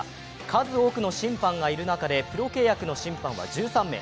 数多くの審判がいる中で、プロ契約の審判は１３名。